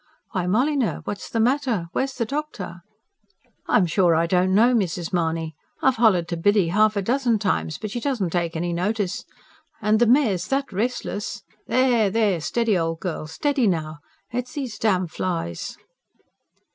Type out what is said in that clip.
"Why, Molyneux, what's the matter? Where's the doctor?" "I'm sure I don't know, Mrs. Mahony. I've hollered to Biddy half a dozen times, but she doesn't take any notice. And the mare's that restless.... There, there, steady old girl, steady now! It's these damn flies."